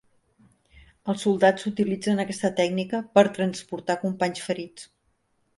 Els soldats utilitzen aquesta tècnica per transportar companys ferits.